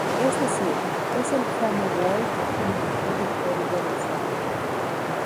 Es decir, es el framework quien ejecuta el código de usuario.